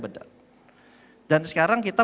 benar dan sekarang kita